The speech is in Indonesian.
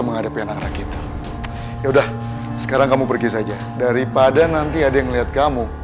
menghadapi anak anak kita ya udah sekarang kamu pergi saja daripada nanti ada yang melihat kamu